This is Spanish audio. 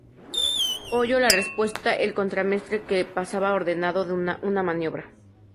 oyó la respuesta el contramaestre, que pasaba ordenando una maniobra